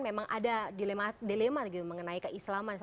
memang ada dilema mengenai keislaman